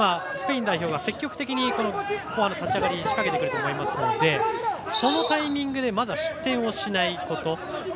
スペイン代表が積極的に後半の立ち上がり仕掛けてくると思うのでそのタイミングで失点をしないこと。